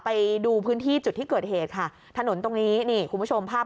ไปดูพื้นที่จุดที่เกิดเหตุค่ะถนนตรงนี้นี่คุณผู้ชมภาพ